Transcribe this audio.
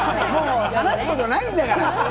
話すことないんだから。